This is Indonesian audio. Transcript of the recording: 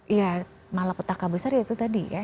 iya malah petaka besar ya itu tadi ya